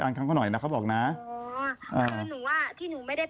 แล้วก็ขอพ้อนก็คือหยิบมาเลยค่ะพี่หมดำ